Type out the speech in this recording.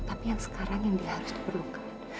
tapi yang sekarang yang dia harus diperlukan